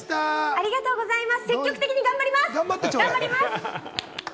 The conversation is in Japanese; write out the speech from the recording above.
ありがとうございます。